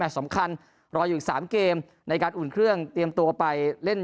สำคัญรออยู่อีก๓เกมในการอุ่นเครื่องเตรียมตัวไปเล่น